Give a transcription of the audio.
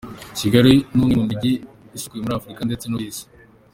Kigali ni umwe mu mijyi isukuye muri Afurika ndetse no ku isi.